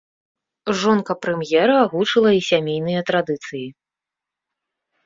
Жонка прэм'ера агучыла і сямейныя традыцыі.